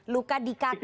luka di kaki